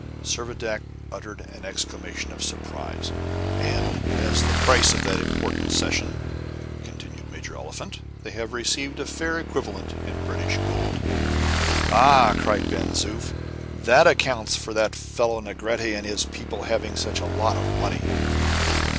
Servadac uttered an exclamation of surprise. "And as the price of that important cession," continued Major Oliphant, "they have received a fair equivalent in British gold." "Ah!" cried Ben Zoof, "that accounts for that fellow Negrete and his people having such a lot of money."